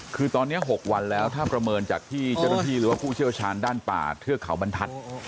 คือตอนนี้๖วันแล้วถ้าประเมินจากที่เจ้าหน้าที่หรือว่าผู้เชี่ยวชาญด้านป่าเทือกเขาบรรทัศน์